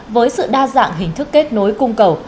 với sự đa dạng hình thức kết nối cung cầu